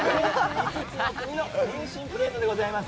５つの国の点心プレートでございます。